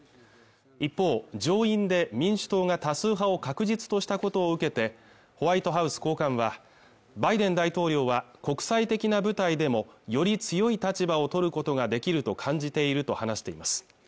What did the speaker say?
一方上院で民主党が多数派を確実としたことを受けてホワイトハウス高官はバイデン大統領は国際的な舞台でもより強い立場を取ることができると感じていると話しています